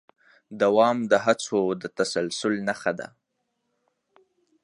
دوام د هڅو د تسلسل نښه ده.